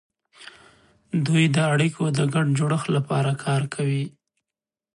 دوی د اړیکو د ګډ جوړښت لپاره کار کوي